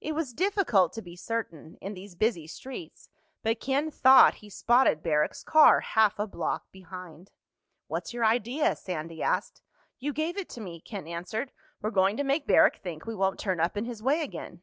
It was difficult to be certain, in these busy streets, but Ken thought he spotted Barrack's car half a block behind. "What's your idea?" Sandy asked. "You gave it to me," Ken answered. "We're going to make Barrack think we won't turn up in his way again."